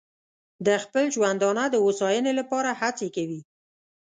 د خپل ژوندانه د هوساینې لپاره هڅې کوي.